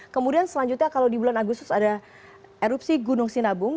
kemudian selanjutnya kalau di bulan agustus ada erupsi gunung sinabung